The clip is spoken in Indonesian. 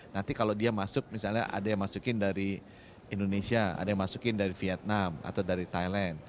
nanti kalau dia masuk misalnya ada yang masukin dari indonesia ada yang masukin dari vietnam atau dari thailand